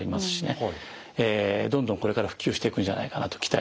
どんどんこれから普及していくんじゃないかなと期待しております。